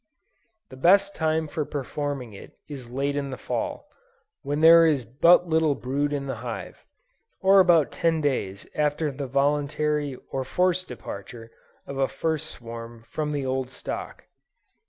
The best time for performing it, is late in the Fall, when there is but little brood in the hive; or about ten days after the voluntary or forced departure of a first swarm from the old stock.